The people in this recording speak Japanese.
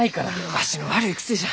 わしの悪い癖じゃ。